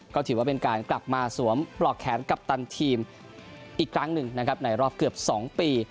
ก็ถือว่าเป็นการกลับมาสวมปลอกแขนกัปตันทีมอีกครั้งหนึ่งนะครับในรอบเกือบ๒ปี